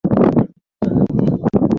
achoongozwa na bi anstan shuchi